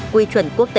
quy chuẩn quốc tế